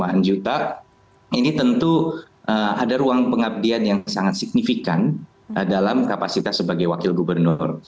mereka tiga puluh dan dua puluh lima an juta ini tentu ada ruang pengabdian yang sangat signifikan dalam kapasitas sebagai wakil gubernur